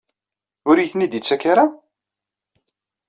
Ur iyi-ten-id-yettak ara?